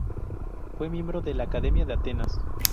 Fue miembro de la Academia de Atenas.